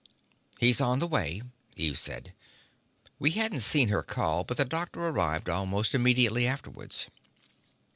"He's on the way," Eve said. We hadn't seen her call, but the doctor arrived almost immediately afterwards.